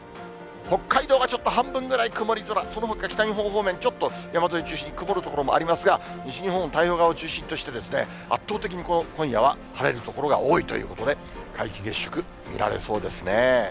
北海道がちょっと半分ぐらい曇り空、そのほか北日本方面、ちょっと山沿い中心に曇る所もありますが、西日本、太平洋側を中心に、圧倒的に今夜は晴れる所が多いということで、皆既月食、見られそうですね。